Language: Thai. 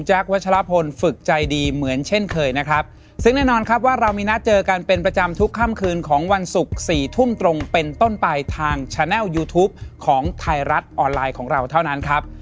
วัชลพลฝึกใจดีเหมือนเช่นเคยนะครับซึ่งแน่นอนครับว่าเรามีนัดเจอกันเป็นประจำทุกค่ำคืนของวันศุกร์สี่ทุ่มตรงเป็นต้นไปทางแชนัลยูทูปของไทยรัฐออนไลน์ของเราเท่านั้นครับ